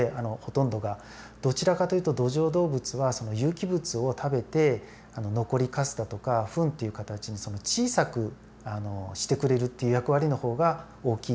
どちらかというと土壌動物は有機物を食べて残りかすだとかふんっていう形に小さくしてくれるっていう役割の方が大きいっていうふうにいわれています。